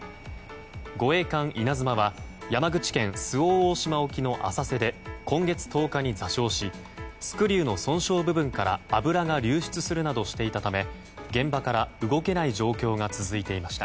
護衛艦「いなづま」は山口県周防大島沖の浅瀬で今月１０日に座礁しスクリューの損傷部分から油が流出するなどしていたため現場から動けない状況が続いていました。